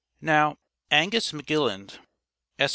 Now, Angus McGilead, Esq.